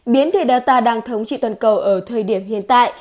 biến thể data đang thống trị toàn cầu ở thời điểm hiện tại